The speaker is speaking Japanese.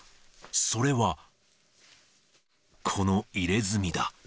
それはこの入れ墨だ。